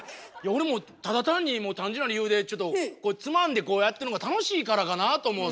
俺もうただ単に単純な理由でこうつまんでこうやってるのが楽しいからかなと思う。